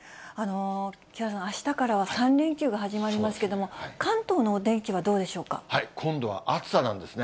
木原さん、あしたからは３連休が始まりますけれども、今度は暑さなんですね。